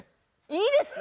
いいです！